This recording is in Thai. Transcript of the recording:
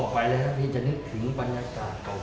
ไปแล้วครับพี่จะนึกถึงบรรยากาศเก่า